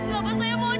tidak pak saya mohon